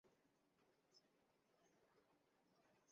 আরে কী হইলো?